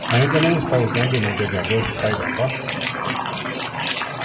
Ainda não está usando o navegador Firefox?